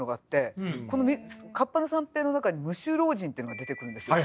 「河童の三平」の中に無臭老人っていうのが出てくるんですよ。